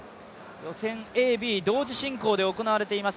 予選Ａ、Ｂ、同時進行で行われています。